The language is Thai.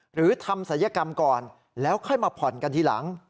หรือทำศัลยกรรมก่อนแล้วค่อยมาผ่อนกันทีหลัง